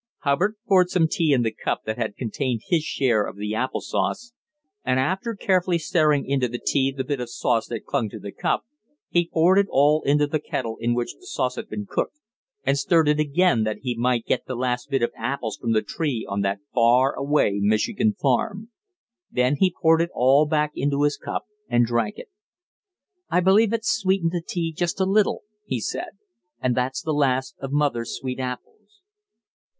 Hubbard poured some tea in the cup that had contained his share of the apple sauce, and after carefully stirring into the tea the bit of sauce that clung to the cup, he poured it all into the kettle in which the sauce had been cooked and stirred it again that he might get the last bit of the apples from the tree on that far away Michigan farm. Then he poured it all back into his cup and drank it. "I believe it sweetened the tea just a little," he said, "and that's the last of mother's sweet apples."